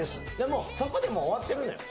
もうそこでもう終わってるのよ